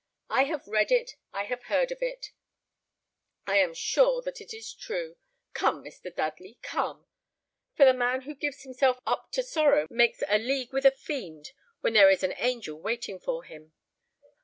I have read it, I have heard of it, I am sure that it is true. Come, Mr. Dudley, come; for the man who gives himself up to sorrow makes a league with a fiend when there is an angel waiting for him.